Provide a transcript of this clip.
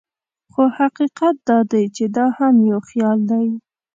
خو حقیقت دا دی چې دا هم یو خیال دی.